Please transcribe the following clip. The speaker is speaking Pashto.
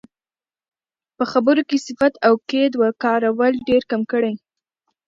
په خبرو کې صفت او قید کارول ډېرکم کړئ.